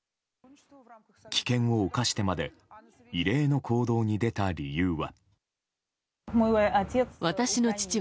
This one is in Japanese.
危険を冒してまで異例の行動に出た理由は？